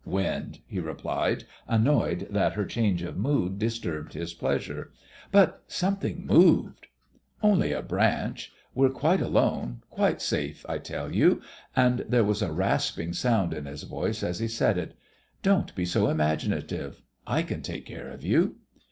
"Wind," he replied, annoyed that her change of mood disturbed his pleasure. "But something moved " "Only a branch. We're quite alone, quite safe, I tell you," and there was a rasping sound in his voice as he said it. "Don't be so imaginative. I can take care of you."